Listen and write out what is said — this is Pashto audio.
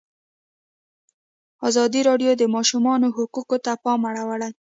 ازادي راډیو د د ماشومانو حقونه ته پام اړولی.